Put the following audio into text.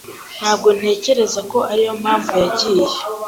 Ntabwo ntekereza ko ariyo mpamvu yagiye.